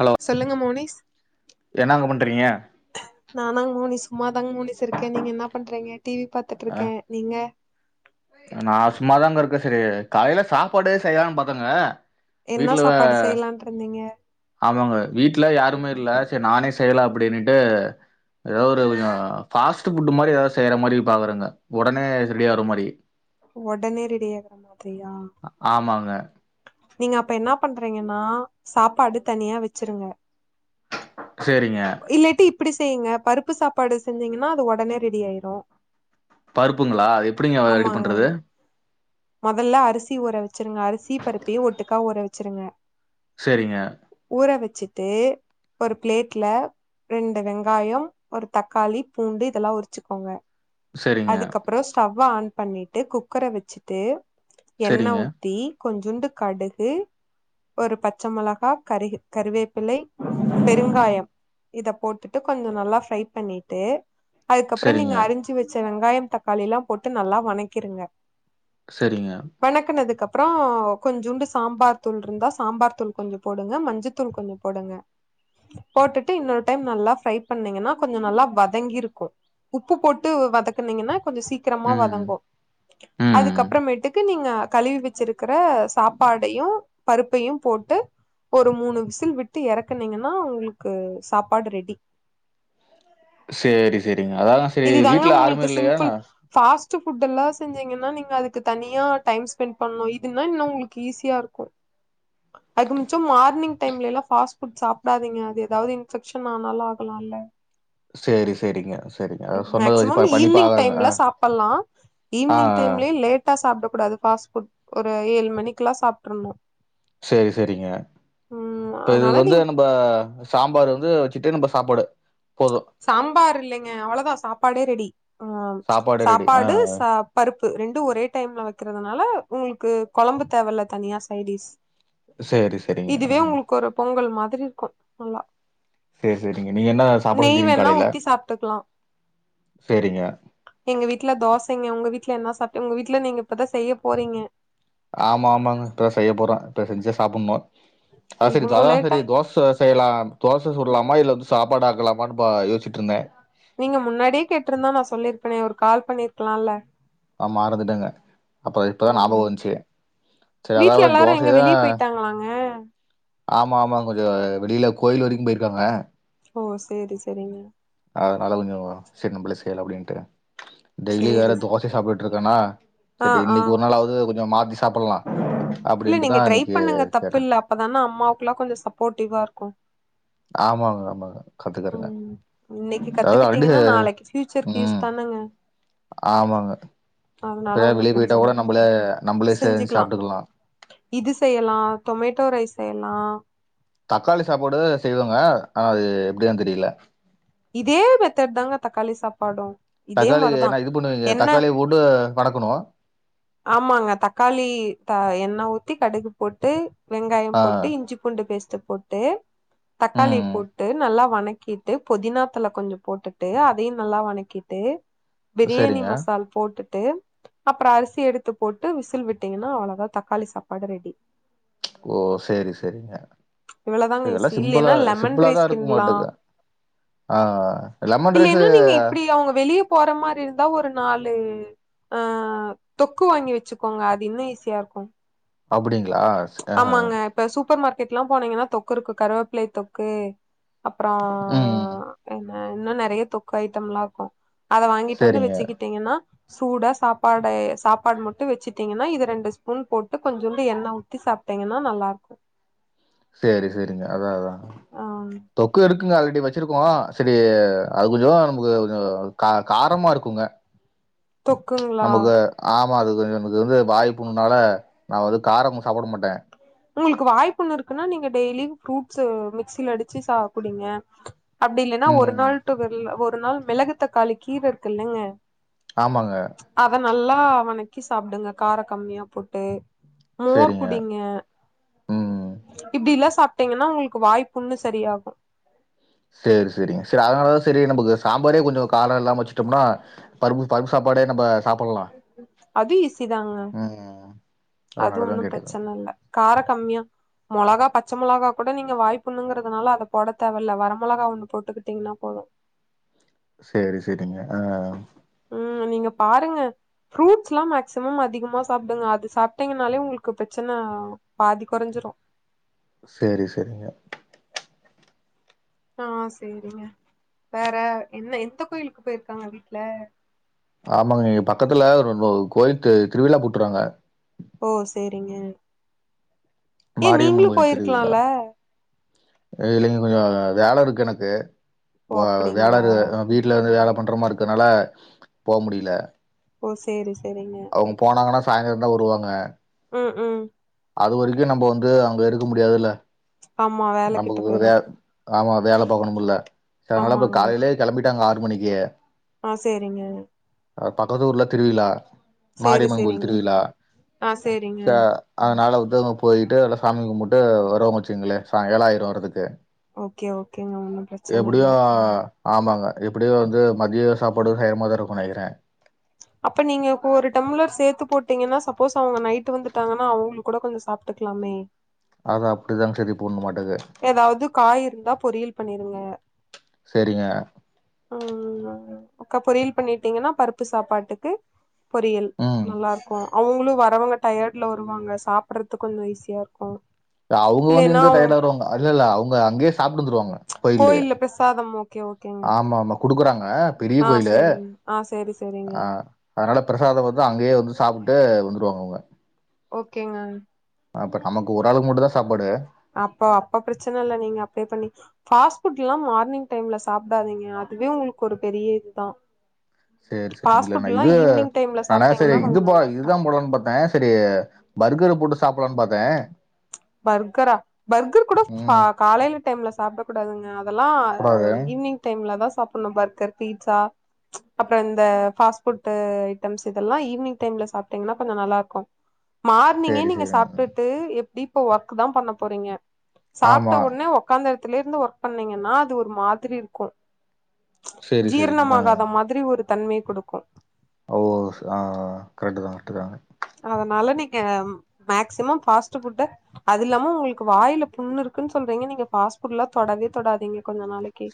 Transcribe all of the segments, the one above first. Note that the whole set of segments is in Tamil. ஹலோ சொல்லுங்க மோனிஸ் என்னங்க பண்றீங்க நானங் மோனிஸ் சும்மாதாங்க மோனிஸ் இருக்கே நீங்க என்ன பண்றீங்க டி வி பாத்துட்ருக்கே நீங்க நா சும்மாதாங்க இருக்கே சரி காலையில சாப்பாடே செய்யலாம்னு பாத்தங்க என்னா வீட்ல சாப்பாடு செய்யலான்ருந்தீங்க ஆமாங்க வீட்ல யாருமே இல்ல சரி நானே செய்யலா அப்டின்னுட்டு ஏதாவது ஒரு கொஞ்ச ஃபாஸ்ட் புட் மாரி ஏதாவது செய்ற மாரி பாக்கறங்க ஒடனே ரெடி ஆகற மாரி [inaudible] ஒடனே ரெடி ஆகுற மாதிரியா ஆமாங்க நீங்க அப்ப என்னா பண்றீங்கன்னா சாப்பாடு தனியா வச்சிருங்க சேரிங்க இல்லட்டி இப்டி செய்யுங்க பருப்பு சாப்பாடு செஞ்சீங்கன்னா அது ஒடனே ரெடி ஆயிரு பருப்புங்களா அது எப்படிங்க ரெடி பண்ணுறது மொதல்ல அரிசி ஊற வச்சிருங்க அரிசி பருப்பயு ஒட்டுக்கா ஊற வச்சிருங்க செரிங்க ஊற வச்சுட்டு ஒரு பிளேட்ல ரெண்டு வெங்காயம் ஒரு தக்காளி பூண்டு இதெல்லா உரிச்சுக்கோங்க சரிங்க அதுக்கப்பற ஸ்டவ் ஆன் பண்ணிட்டு குக்கர வச்சுட்டு எண்ண சரிங்க ஊத்தி கொஞ்சண்டு கடுகு ஒரு பச்ச மொளகா கருக கருவேப்ப ப்புள்ளை பெருங்காயம் இத போட்டுட்டு கொஞ்ச நல்லா ஃப்ரை பண்ணிட்டு அதுக்கப்பற நீங்க சரிங்க அரிஞ்சு வச்ச வெங்காயம் தக்காளில்லா போட்டு நல்லா வனக்கிருங்க சரிங்க வணக்கனதுக்கு அப்பறோ கொஞ்சூண்டு சாம்பார் தூள் இருந்தா சாம்பார் தூள் கொஞ்ச போடுங்க மஞ்ச தூள் கொஞ்ச போடுங்க போட்டுட்டு இன்னொரு டைம் நல்லா ஃரை பண்ணீங்கன்னா கொஞ்ச நல்லா வதங்கிருக்கு உப்பு போட்டு வதக் குனிங்கன்னா கொஞ்ச சீக்கிரமா ம் வதங்கு ம் அதுக்கப்பறமேட்டுக்கு நீங்க கழுவி வச்சிருக் குற சாப்பாடயு பருப்பையு போட்டு ஒரு மூணு விசில் விட்டு எறக்குனீங்கன்னா உங்களுக்கு சாப்பாடு ரெடி செரி செரிங்க அத தா செரி வீட்ல ஆருமே இல்லயா என ஃபாஸ்ட்ட் ஃபுட் எல்லா செஞ்சீங்கன்னா நீங்க அதுக்கு தனியா டைம் ஸ்பெண்ட் பண்ணணு இதுன்னா இன்னு உங்களுக்கு ஈஸியா இருக்கு அகிமிச்சம் மார்னிங் டைம்ல எல்லா ஃபஸ்ட்ஃபட் சாப்படாதீங்க அது எதாவது இஃபெக்ஷன் ஆனாலு ஆகலாம்ல்ல சேரி செரிங்க மேக்சிமம் ஈவி்னிங் டைம்ல சாப்பல்லா ஆ ஈவினிங் ஆ. டைம்லயே லேட் டா சாப்பட கூடாது பாஸ் புட் ஒரு ஏழு மணிக்கக்குல்லா சாப்ப்ட்ரணு செரி செரிங்க ம் இப்ப அதனால இதுக்கு நீங்க வந்து இப்ப சாம்பார் வந்து வச்சுட்டு நம்ம சாப்பாடு போதும். சாம்பார் இல்லைங்க அவ்வளவுதா சாப்பாடே ரெடி ஆ ரெடி. ஆ சாப்பாடு ச பருப்பு ரெண்டு ஒரே டைம்ல வைக்கறதுனால உங்களுக்கு கொழம்பு தேவல தனியா சைடிஸ் சரி, சரிங்க. இதுவே ம். உங்களுக்கு ஒரு பொங்கல் மாதிரி இருக்கு நல்லா செரி செரிங்க நீங்க என்ன சாப்பட நெய் செஞ்சுவீங்க வேணா காலையில ஊத்தி சாப்ட்டுக்கலா செரிங்க எங்க வீட்ல தோசங்க உங்க வீட்ல என்ன சாப்ட்டு உங்க வீட்ல நீங்க இப்பதா செய்ய போறீங்க ஆமா ஆமாங்க இப்பதா செய்ய போறோ இப்ப செஞ்சா சாப்பணு அத செரி இவ்ளோ அதா லேட்டா செரி தோச செய்யலாம் தோச சுடலாமா இல்ல வந்து சாப்பாடு ஆக்கலாமான்னு பா யோசிட்ருந்தே நீங்க முன்னாடியே கேட்ருந்தா நா சொல்லிருப்பேன ஒரு கால் பண்ணிருக்லாம்லா ஆ மறந்துட்டங்க அப்பறோ இப்பதா ஆ ஞாபகம் வந்த்ச்சு செர் வீட்ல அதாவத் எல்லாரு எங்க தோசய தா வெளிய போயிட்டாங்களாங்க ஆமா ஆமா கொஞ்சம் வெளியில கோயில் வரைக்கும் போயிருக்காங்க ஓ சேரி செரிங்க அதனால கொஞ்சம் செர் நம்பளே செய்லா அப்டின்ட்டு டெய்லி வேற சேரி தோசை சாப்புட்ருக்கனா ஆ செரி ஆ இன்னைக்கி ஒரு நாளாவ்து கொஞ்சம் மாத்தி சாப்பல்லா அப்டின்ட்டுதா அன்னைக்கி கேட்ட அப்ப தானா அம்மாவுக்லா கொஞ்சோ சப்போர்டிவா இருக்கும் ஆமாங்க ஆமாங்க கத்துக்கறங்க ம் இன்னைக்கு அதாவ்து கத்துக்கிட்டீங்கன்னா நாளைக்கு ஃபியூச்சருக்கு யூஸ் ம் தானங்க ஆமாங்க அதனால எப்பயா ஒன்னு வெளிய போயிட்டா கூட பிரச்சன நம்பளே நம்பளே சேஞ் செஞ்சுக்கலா சாப்ட்டுக்கலா இது செய்யலா டொமேட்டோ ரைஸ் செய்யலா தக்காளி சாப்பாடு செய்வாங்க ஆனா அது எப்டிதா தெரியல இதே மெத்தட் தாங்க தக்காளி சாப்பாடும் இதே தக்காளி மாரிதா ஏன்னா இது பண்ணுவீங்க என்ன தக்காளிய போட்டு வணக்கணு ஆமாங்க தக்காளி த எண்ணெ ஊத்தி கடுகு போட்டு வெங்காயம் ஆ போட்டு இஞ்சி பூண்டு பேஸ்ட்டு போட்டு தக்காளி ம் போட்டு நல்லா வனக்கிட்டு புதினா தழ கொஞ்சம் போட்டுட்டு அதையும் நல்லா வனக்கிட்டு பிரியாணி சரிங்க மசால் போட்டுட்டு அப்பறோ அரிசி எடுத்து போட்டு விசில் விட்டிங்கன்னா அவ்ளதா தக்காளி சாப்பாடு ரெடி ஓ செரி செரிங்க இவ்ளோதாங்க இதுல்லா ஈசி சிம்பிளா இல்லைன்னா லெமன் ரைஸ் சிம்பிளாதா இருக்க கிண்ட்லா மாட்டுக்கு ஆ ஆ லெமன் ரைஸ்ஸு இ அவங்க வெளியப் போற மாரி இருந்தா ஒரு நாலு ஆ தொக்கு வாங்கி வச்சுக்கோங்க அது இன்னு ஈஸியா இருக்கும் அப்படிங்ளா செ ஆமாங்க இப்ப சூப்பர் மார்க்கெட்ல்லா போனீங்கன்னா தொக்கு இருக்கு கருவேப்பிலை தொக்கு அப்பறம் ம் என்ன இன்னு நெறைய தொக்கு ஐட்டம்லாருக்கு அத வாங்கிட்டு வந்து சேரிங்க வெச்சுக்கிட்டீங்கன்னா சூடா சாப்பாடு சாப்பாடு மட்டு வெச்சுட்டீங்கன்னா இது ரெண்டு ஸ்பூன் போட்டு கொஞ்சோண்டு எண்ணெ ஊத் த்தி சாப்ட்டீங்கன்னா நல்லாருக்கும் சேரி செரிங்க அதா அதா ஆம் தொக்கு இருக்குங்க ஆல்ரெடி வச்சிருக்கோம் செரி அது கொஞ்சம் நமக்கு கொஞ்சம் கா காரமா இருக்குங்க தொக்குங்களா நமக்கு ஆமா அது கொஞ்சம் எனக்கு வந்து வாய்ப்புண்ணுனால நா வந்து காரமு சாப்பிட மாட்ட உங்குளுக்கு வாய்ப்புண்ணு இருக்குன்னா நீங்க டெய்லி ஃப்ரூட்ஸ்ஸ மிக்சில அடிச்சு சா குடிங்க அப்டி இல்லன்னா ஒரு ம் நாள் டு ஒரு நாள் மெளகுத்தக்காளி கீர இருக்குல்லங்க ஆமாங்க அத நல்லா வனக்கி சாப்டுங்க கார கம்மியா போட்டு மோர் சேரிங்க குடிங்க ம் இப்டில்லா சாப்ட்டீங்கன்னா உங்குள்க்கு வாய்ப்புண்ணு சரியாகும் சேரி செரிங்க சேரி அதனாலதா செரி நமக்கு சாம்பாரே கொஞ்சம் காரம் இல்லாம வச்சுட்டோம்னா பருப்பு பருப்பு சாப்பாடே நம்ப அதுவு ஈஸி தாங்க ம் அது அதனாலதா ஒன்னும் கேட்டதுங்க பிரச்சன இல்ல கார கம்மியா மொளகா பச்ச மொளகா கூட நீங்க வாய்ப்புண்ணுங்குறதுனால அத போட தேவையில்லை வர மொளகா ஒன்னு தொட்டுக்கிட்டீங்கன்னா போதும் சேரி சேரிங்க ஆ ம் நீங்க பாருங்க ஃப்ரூட்ஸ் எல்லாம் மேக்சிமம் அதிகமா சாப்பிடுங்க அது சாப்பிட்டீங்கனாலே உங்களுக்கு பிரச்சன பாதி குறைஞ்சிடும் சேரி சேரிங்க ஆ சேரிங்க வேற என்ன எந்த கோயிலுக்கு போயிருக்காங்க வீட்ல ஆமாங்க இங்க பக்கத்துல ஒரு கோயிவில் திருவிழா கூட்டுறாங்க ஓ சேரிங்க ஏன் மாரியம்மன் நீங்களும் கோயில் திருவிழா. போயிருக்கலால இல்லைங்க கொஞ்சம் வேலை இருக்கு எனக்கு ஓ வ வேலை அப்டிங்களா இரு வீட் வீட்ல வந்து வேலை பண்றமாரி இருக்கிறதுனால போ முடில ஓ சேரி சேரிங்க அவங்க போனாங்கன்னா சாயந்திரம் தான் வருவாங்க ம் ம் அது வரைக்கும் நம்ம வந்து அங்க இருக்க முடியாதுல்ல ஆமா வேல கெட்டு போயிரு நமக்குவே ஆமா வேல பார்க்கணும்ல இப்ப ஆமாங்க காலையிலே கிளம்பிட்டாங்க ஆறு மணிக்கே ஆ சேரிங்க அ பக்கத்து ஊர்ல திருவிழா சேரி மாரிஅம்மன் கோவில் சேரிங்க திருவிழா ஆ சேரிங்க ச அதனால வந்து அங்க போயிட்டு எல்ல சாமி கும்பிட்டு வரவ முச்சுங்களே சாய்ங்காலம் ஆய்ரும் வர்றதுக்கு ஓகே ஓகேங்க ஒன்னும் பிரச்சன இல்ல ஆ ஆமாங்க எப்டியும் வந்து மதியம் சாப்பாடு வேகமாதா தான் இருக்கும் நினைக்கிறேன் அப்ப நீங்க ஒரு டம்ளர் சேத்து போட்டீங்கன்னா சப்போஸ் அவங்க நைட் வந்துட்டாங்கன்னா அவங்களுக்கு கூட கொஞ்சம் சாப் டுக்கலாமே அதா அப்டிதாங்க சேத்து போன்னுமாட்டுக்கு ஏதாவது காய் இருந்தா பொரியல் பண்ணிருங்க சரிங்க ஆ உக்கா பொரியல் பண்ணிட்டீங்கன்னா பருப்பு சாப்பாட்டுக்கு பொறியல் ம் நல்லா இருக்கும் அவங்களும் வரவங்க டயர்ட்ல வருவாங்க சாப்படறது கொஞ்சம் ஈஸியா இருக்கும் அவங்க வந்து எங்க டயர்ட வருவாங்க இல்ல இல்ல அவங்க அங்கயே சாப்ட்டு வந்துருவாங்க கோயில்லு கோயில்ல பிரசாதம் ஓகே ஓகே ஆமா ஆமா குடுக்குறாங்க பெரிய கோயில்லு சேரிங்க ஆ சேரி சேரிங்க ஆ அதனால பிரசாதம் வந்து அங்கேயே வந்து சாப்பட்டு வந்துருவாங்க அவுங்க ஓகேங்க அப்ப நமக்கு ஒரு ஆளுக்கு மட்டும்தான் சாப்பாடு அப்போ அப்ப பிரச்சன இல்ல நீங்க அப்பே பண்ணி ஃபாஸ்ட் புட் எல்லாம் மார்னிங் டைம்ல சாப்டாதீங்க அதுவே உங்களுக்கு ஒரு பெரிய இதுதான் சேரி சரிங்க பாஸ்ட்புட் இல்லண்ணா எல்லாம் இது ஈவினிங் டைம்ல சாப்ட்டீங்கன்னா கொஞ்சம் நல்லா இருக்கும் போடனு பாத்தேன் செரி பர்கர் போட்டு சாப்படலாம்னு பாத்தேன் பர்கரா பர்கர் கூட ம் காலையில டைம்ல சாப்ட கூடாதுங்க அதெல்லாம் கூடாது ஈவி்னிங் டைம்ல தான் சாப்பணும் பர்கர் பீட்சா அப்பறம் இந்த பாஸ்ட்ஃபுட்டு ஐட்டம்ஸ் இதெல்லாம் ஈவினிங் டைம்ல சாப்ட்டீங்கன்னா கொஞ்சம் நல்லா இருக்கும் மார்னிங்கே சேரி நீங்க சேரிங்க சாப்ட்டுட்டு எப்டி இப்ப ஒர்க் தான் பண்ண போறீங்க ஆமா சாப்ட்ட உடனே உக்காந்த இடத்துல இருந்து ஒர்க் பண்ணீங்கன்னா அது ஒரு மாதிரி இருக்கும் சேரி சேரிங்க ஆ ஜீரணமாகாத மாரி ஒரு தன்மைய குடுக்கு ஓ சா கரெக்ட்டுதா கரெக்ட்டுதா அதனால நீங்க மேக்ஸிமம் ஃபாஸ்ட் ஃபுட்ட அதில்லாம உங்களுக்கு வாயில புண்ணு இருக்குன்னு சொல்றீங்க நீங்க ஃபாஸ்ட் ஃபுட்டெல்லா தொடவே தொடாதீங்க கொஞ்ச நாளைக்கு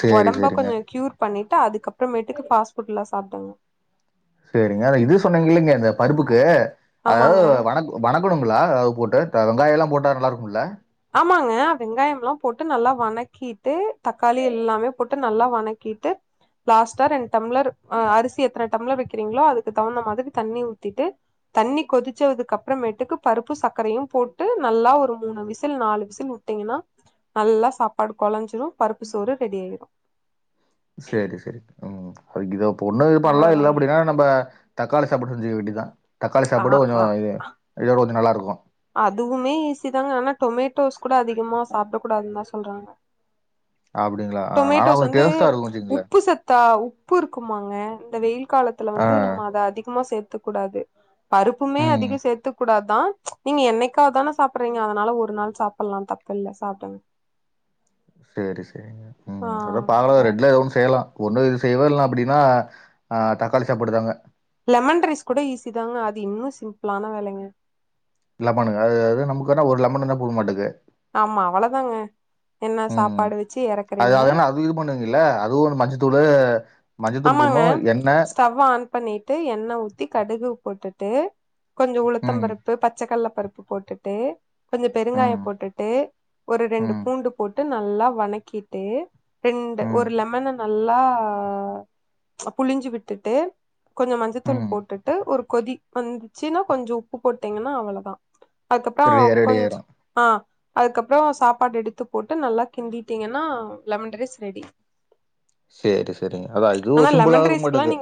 சேரி ஒடம்ப சேரிங்க. கொஞ்சோ கியூர் பண்ணிட்டு அதுக்கப்பறமேட்டுக்கு ஃபாஸ்ட் ஃபுட் எல்லா சாப்டுங்க சேரிங்க அது இது சொன்னீங்கல்லைங்க அந்த பருப்புக்கு அதாவது ஆமாங்க வணக் வணக்கணுங்ளா அதாவது வெங்காயோல்லா போட்டா நல்லாருக்குமல்ல ஆமாங்க வெங்காயம் எல்லா போட்டு நல்லா வணக்கிட்டு தக்காளி எல்லாமே போட்டு நல்லா வணக்கிட்டு லாஸ்டா ரெண் டம்ளர் அ அரிசி எத்தர டம்ளர் வெக்கறீங்களோ அதுக்கு தகுந்த மாரி தண்ணி ஊத்திட்டு தண்ணி கொதிச்சதுக்கு அப்றமேட்டுக்கு பருப்பு சக்கரயும் போட்டு நல்லா ஒரு மூணு விசி ல் நாலு விசில் விட்டீங்கன்னா நல்லா சாப்பாடு கொழஞ்சிரு பருப்பு சோறு ரெடி ஆயிரு சேரி சேரி ம் அது இதுக்கு ஒண்ணு பண்லா இல்ல அவ்ளோதாங்க அப்டின்னா நம்ப தக்காளி சாப்பாடு செஞ்சிக்க வேண்டிதுதா தக்காளி ஆ சாப்பாடு கொஞ்சோ ஆ இதோட கொஞ்சோ நல்லாருக்கு அதுவுமே ஈஸிதாங்க ஆனா டொமேட்டோஸ் கூட அதிகமா சாப்ட கூடாதுன்னுதா சொல்றாங்க அப்படிங்களா? ஆ ஆனா டொமேட்டோஸ் கொஞ்சம் வந்து டேஸ்ட்டா இருக்கும் வச்சுக்கங்களேன். உப்பு ச த்தா உப்பு இருக்குமாங்க இந்த வெயில் காலத்துல ஆ. வந்து நம்ம அத அதிகமா சேத்துக்கூடாது பருப்புமே ம். அதிகோ சேத்துக்கூடாதா நீங்க என்னைக்காதான சாப்டுறீங்க அதனால ஒரு நாள் சாப்ல்லா அது தப்பு இல்ல சாப்டுங்க சேரி சேரிங் ம் அதான் பாக்லா ஆ ரெண்ட்ல எதோ ஒன்னு செய்லா ஒன்னு இது செய்வ இல்ல அப்டின்னா ஆ தக்காளி சாப்பாடுதாங்க லெமன் ரைஸ் கூட ஈஸிதாங்க அது இன்னு சிம்பிளான வேலைங்க லெமனுங்க அதுாவது நமக்கு வேனா ஒரு லெமன் இருந்தா போடு மாட்டக்கு ஆமா அவ்ளதாங்க என்ன ம் சாப்பாடு வெச்சு அது எறக்குறீங்க அதனால அது இது பண்ண இல்ல அது ஒன்னு மஞ்சத்தூளு மஞ்சத்தூள் ஆமாங்க போட்ணு எண்ணெ ஸ்டவ் ஆன் பண்ணிட்டு எண்ணெ ஊத்தி கடுகு போட்டுட்டு கொஞ்சோ உளுத்தம் ம் பருப்பு பச்சக்கல்ல பரு ப்பு போட்டுட்டு கொஞ்சோ பெருங்காயோ ம் போட்டுட்டு ஒரு ரெண்டு ம் பூண்டு போட்டு நல்லா வணக்கிட்டு ரெண்டு ம் ஒரு லெமன நல்லா புழிஞ்சு விட்டுட்டு கொஞ்சோ மஞ்சத்தூள் ம் போட்டுட்டு ஒரு கொதி வந்துச்சுன்னா கொஞ்சோ உப்பு போட்டீங்கன்னா அவ்ளதா அதுக்கப்றோ ரெடி ரெடி ஆயிரு கொஞ்ச் ஆ அதுக்கப்றோ சாப்பாடு எடுத்து போட்டு நல்லா கிண்டிடீங்கன்னா லெமன் ரைஸ் ரெடி சேரி சேரிங்க அதா இதுவு சிம்பிளா இருக்கு மாட்டக்கு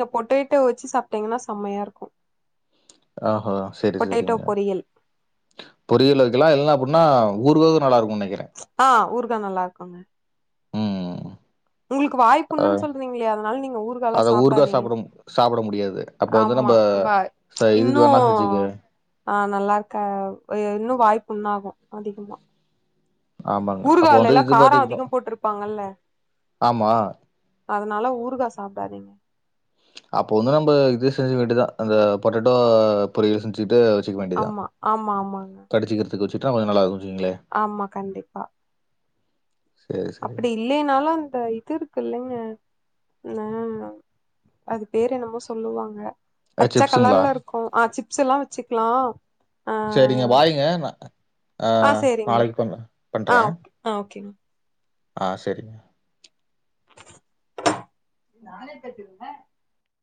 ட்டு வெச்சு சாப்ட்டீங்கன்னா செமயா இருக்கு ஆஹா சேரி பொட்டேட்டோ சேரிங்க பொரியல் பொரியலு வெக்கலா இல்ல அப்டினா ஊருகாக்கு நல்லா இருக்குனு நெனைக்கிற ஆ ஊறுகா நல்லா இருக்குங்க ம் உங்களுக்கு அ வாய்ப்புன்னு சொல்றீங்கில்லயா அதனால நீங்க ஊர்கால்லா அத ஊறுகா சாப்டாதீங்க சாப்ட சாப்ட முடியாது அப்போ வந்து ஆமா நம்ப வா இதுக்கு இன்னு வேணா செச்சுக்கு ஆ நல்லா இருக்க இன்னு வாய்ப்புன்னாகு அதிகமா ஆமாங்க அப்ப வந்து ஊறுகாய்லல்லா இது காரோ பாட்டுக்கு அதிகோ போட்டிருப்பாங்கல்ல ஆமா அதனால ஊறுகா சாப்டாதீங்க அப்போ வந்து நம்ம இது செஞ்சு வேண்டிதா அந்த பொட்டெட்டோ பொரியல் செஞ்ச்சிட்டு வச்சுக்க வேண்டிதா ஆமா ஆமா ஆமாங்க கடிச்சிக்கிறதுக்கு வச்சுட்டா கொஞ்ச நல்லாருக்கு வெச்சிங்குங்ளே ஆமா கண்டிப்பா சேரி சேரி அப்டி இல்லேனாலு அந்த இது இருக்கு இல்லங்க ஆ அது பேரு என்னமோ சொல்லுவாங்க பச்ச சிப்ஸுங்களா கலர்ல இருக்கு ஆ சிப்ஸ் எல்லா வச்சுக்லா சேரிங்க பாய்ங்க நா அ ஆ சேரிங்க நாளைக்கு பண்ணு ஆ பண்றே ஓகே ஆ ஓகேங்க ஆ செரிங்க நானே கட்டிருந்தே